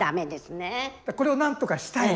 これを何とかしたい。